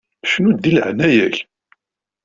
Cnu-d di leɛnaya-k!